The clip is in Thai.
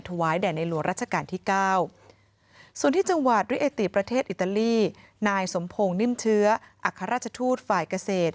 นายโยคเทชสมนตรีเมืองรองคาเดรองนัยโยคเทชสมนตรีเมืองรองคาเด